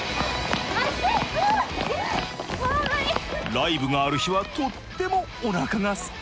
ライブがある日はとってもおなかがすく。